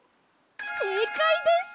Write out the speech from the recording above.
せいかいです！